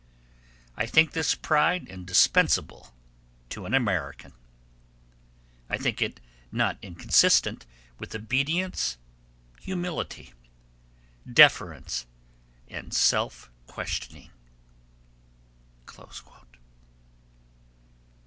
I think this pride indispensable to an American. I think it not inconsistent with obedience, humility, deference, and self questioning.